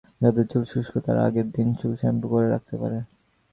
যাদের চুল শুষ্ক, তারা আগের দিন চুল শ্যাম্পু করে রাখতে পারে।